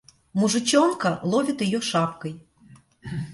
Мужичонка ловит её шапкой.